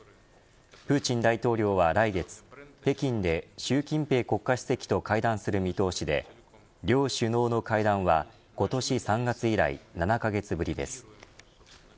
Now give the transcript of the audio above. プーチン大統領は来月北京で習近平国家主席と会談する見通しで両首脳の会談は今年３月以来、７カ月ぶりです。